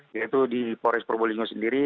yaitu di pores provolinggo sendiri